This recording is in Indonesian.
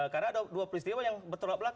karena ada dua peristiwa yang betul betul belakang